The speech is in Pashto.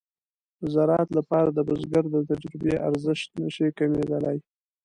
د زراعت لپاره د بزګر د تجربې ارزښت نشي کمېدلای.